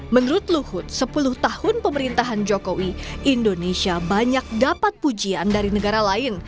menurut luhut sepuluh tahun pemerintahan jokowi indonesia banyak dapat pujian dari negara lain